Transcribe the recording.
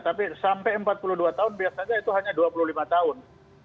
tapi sampai empat puluh dua tahun biasanya itu hanya dua puluh lima tahun